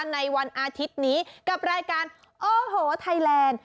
ในวันอาทิตย์นี้กับรายการโอ้โหไทยแลนด์